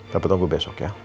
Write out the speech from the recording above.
dapat tunggu besok ya